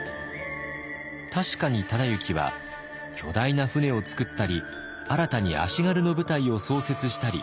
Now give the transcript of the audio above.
確かに忠之は巨大な船を造ったり新たに足軽の部隊を創設したり。